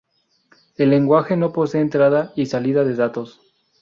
El lenguaje no posee entrada y salida de datos.